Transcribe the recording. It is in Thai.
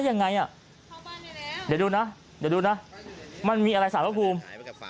ยังไงอ่ะเดี๋ยวดูนะเดี๋ยวดูนะมันมีอะไรสารพระภูมิ